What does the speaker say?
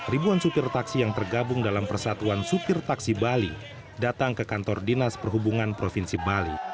ribuan supir taksi yang tergabung dalam persatuan supir taksi bali datang ke kantor dinas perhubungan provinsi bali